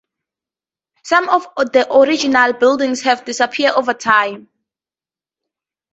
Some of the original buildings have disappeared over time.